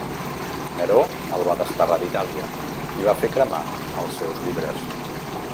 Neró el va desterrar d'Itàlia i va fer cremar els seus llibres.